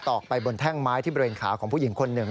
อกไปบนแท่งไม้ที่บริเวณขาของผู้หญิงคนหนึ่ง